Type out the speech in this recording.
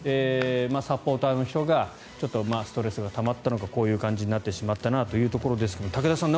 サポーターの人がちょっとストレスがたまったのかこういう感じになってしまったなというところですが武田さん